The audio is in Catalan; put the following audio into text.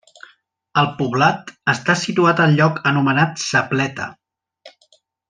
El poblat està situat al lloc anomenat Sa Pleta.